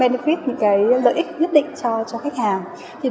những lợi ích nhất định cho khách hàng